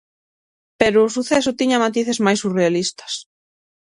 Pero o suceso tiña matices máis surrealistas.